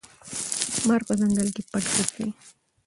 مار په ځنګل کې پټ ګرځي.